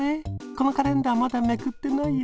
このカレンダーまだめくってないよ。